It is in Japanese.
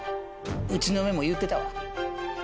うちの嫁も言うてたわ。